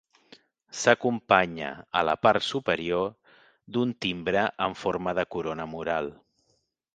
S'acompanya, a la part superior, d'un timbre amb forma de corona mural.